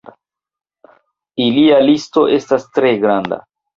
Ilia listo estas tre granda.